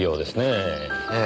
ええ。